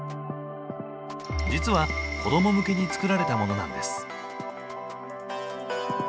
実は子ども向けに作られたものなんです。